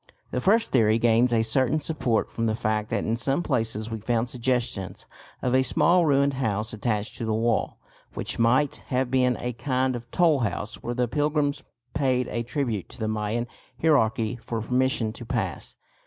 The first theory gains a certain support from the fact that in some places we found suggestions of a small ruined house attached to the wall, which might have been a kind of tollhouse where the pilgrims paid a tribute to the Mayan hierarchy for permission to pass.